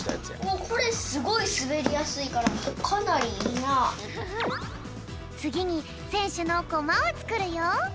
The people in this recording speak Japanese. おっこれすごいすべりやすいからつぎにせんしゅのコマをつくるよ。